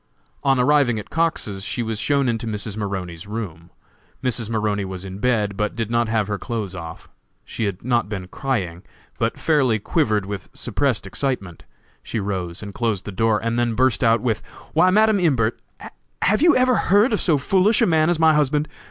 On arriving at Cox's she was shown into Mrs. Maroney's room. Mrs. Maroney was in bed, but did not have her clothes off. She had not been crying, but fairly quivered with suppressed excitement. She rose and closed the door, and then burst out with, "Why, Madam Imbert, have you ever heard of so foolish a man as my husband?